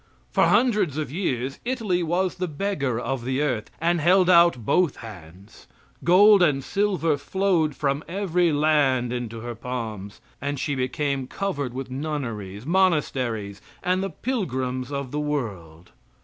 For hundreds of years Italy was the beggar of the earth, and held out both hands. Gold and silver flowed from every land into her palms, and she became covered with nunneries, monasteries, and the pilgrims of the world.